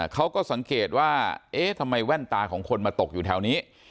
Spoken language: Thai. เขาก็สังเกตว่าเอ๊ะทำไมแว่นตาของคนมาตกอยู่แถวนี้